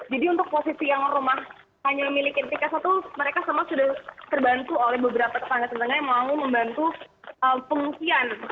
jadi untuk posisi yang rumah hanya memiliki tingkat satu mereka semua sudah terbantu oleh beberapa teman teman yang mau membantu pengungsian